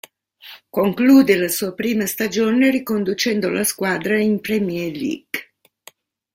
Conclude la sua prima stagione riconducendo la squadra in Premier League.